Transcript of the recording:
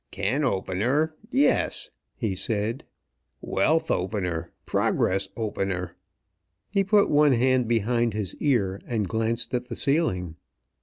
"Can opener, yes!" he said. "Wealth opener; progress opener!" He put one hand behind his ear, and glanced at the ceiling.